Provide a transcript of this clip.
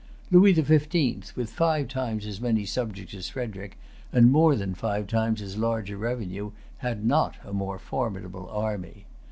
Louis the Fifteenth, with five times as many subjects as Frederic, and more than five times as large a revenue, had not a more formidable army.